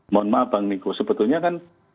mohon maaf bang niko sebetulnya kan